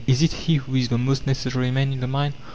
Is it he who is the most necessary man in the mine?